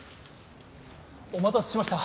お待たせしました。